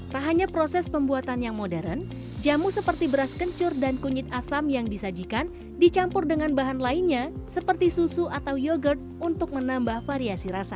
tak hanya proses pembuatan yang modern jamu seperti beras kencur dan kunyit asam yang disajikan dicampur dengan bahan lainnya seperti susu atau yogurt untuk menambah variasi rasa